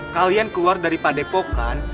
kalian keluar dari pandepokan